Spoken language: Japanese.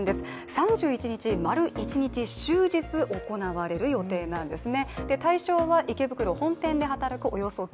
３１日、丸一日、終日行われる予定なんですね。